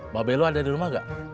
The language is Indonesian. mabelo ada di rumah gak